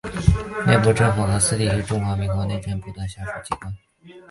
内政部地政司是中华民国内政部下属机关。